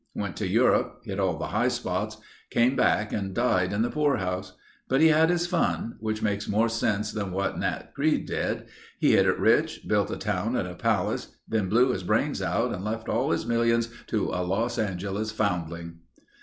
Went to Europe; hit all the high spots; came back and died in the poor house. But he had his fun, which makes more sense than what Nat Crede did. He hit it rich. Built a town and a palace. Then blew his brains out and left all his millions to a Los Angeles foundling."